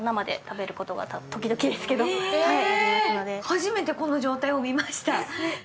初めてこの状態を見ました。